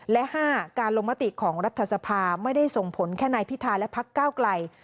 และ๕การลงมติของรัฐสภาไม่ได้ส่งผลแค่นายพิธาและพักก้าวไกล